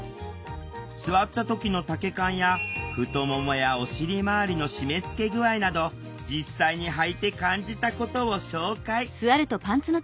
座った時の丈感や太ももやお尻回りの締めつけ具合など実際にはいて感じたことを紹介。